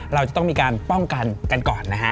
เราจะต้องมีการป้องกันกันก่อนนะฮะ